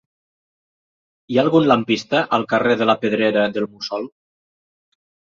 Hi ha algun lampista al carrer de la Pedrera del Mussol?